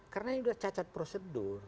karena ini udah cacat prosedur